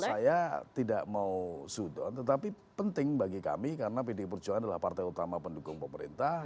karena itu saya tidak mau sudut tetapi penting bagi kami karena pdp perjuangan adalah partai utama pendukung pemerintah